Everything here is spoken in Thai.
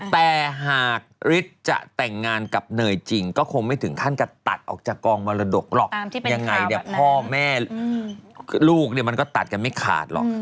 แต่หากฤทธิ์จะแต่งงานกับเนยจริงก็คงไม่ถึงขั้นกับตัดออกจากกองมรดกหรอกยังไงเนี่ยพ่อแม่ลูกเนี่ยมันก็ตัดกันไม่ขาดหรอก